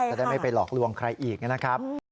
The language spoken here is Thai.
จะได้ไม่ไปหลอกลวงใครอีกนะครับ